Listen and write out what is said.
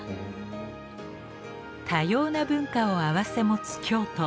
多様な文化を併せ持つ京都。